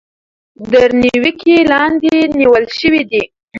تر نېوکې لاندې نيول شوي دي.